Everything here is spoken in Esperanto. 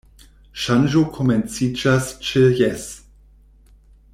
Ŝanĝo komenciĝas ĉe Jes!